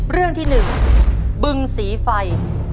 เรื่องที่๑บึงสีไฟ